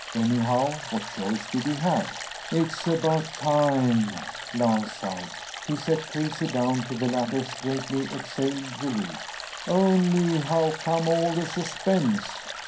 Anyhow, what choice did he have? "It's about time," Lance sighed. He set Casey down, to the latter's greatly exhaled relief. "Only how come all the suspense?"